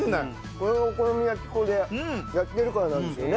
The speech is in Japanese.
これはお好み焼き粉でやってるからなんですよね。